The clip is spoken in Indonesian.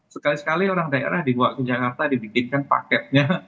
sekali sekali orang daerah dibawa ke jakarta dibikinkan paketnya